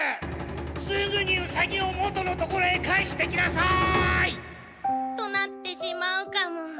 すぐにウサギを元の所へ返してきなさい！となってしまうかも。